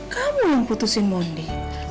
kamu yang putusin mondi